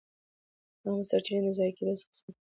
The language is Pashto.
عامه سرچینې د ضایع کېدو څخه ساتل کېږي.